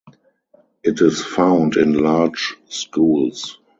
It is found in large schools.